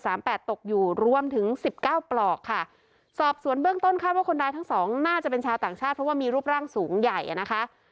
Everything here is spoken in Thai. แปดตกอยู่รวมถึงสิบเก้าปลอกค่ะสอบสวนเบื้องต้นคาดว่าคนร้ายทั้งสองน่าจะเป็นชาวต่างชาติเพราะว่ามีรูปร่างสูงใหญ่อ่ะนะคะ